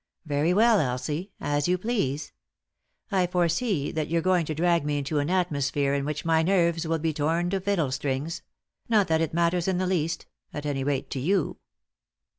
Very well, Elsie, as you please. I foresee that you're going to drag me into an atmosphere in which my nerves will be torn to fiddle strings ; not that it matters in the least — at any rate to you."